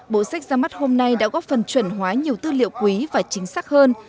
bộ sách ra mắt hôm nay đã góp phần chuẩn hóa nhiều tư liệu quý và chính xác hơn